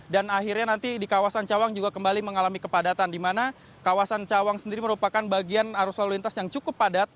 dan akhirnya nanti di kawasan cawang juga kembali mengalami kepadatan di mana kawasan cawang sendiri merupakan bagian arus lalu lintas yang cukup padat